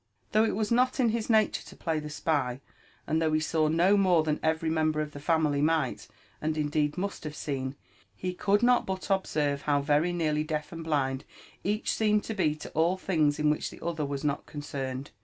Though it was not in his nature to play the spy, and though he saw no more than every member of the family might, and indeed must have seen, he could not but observe how very nearly deaf and blind each seemed to be to all things in which the other was not concerned.